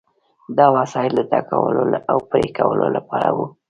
دا وسایل د ټکولو او پرې کولو لپاره وو.